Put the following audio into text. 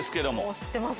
知ってます